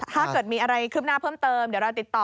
ถ้าเกิดมีอะไรคืบหน้าเพิ่มเติมเดี๋ยวเราติดต่อ